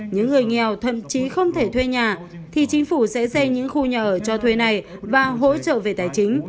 những người nghèo thậm chí không thể thuê nhà thì chính phủ sẽ xây những khu nhà ở cho thuê này và hỗ trợ về tài chính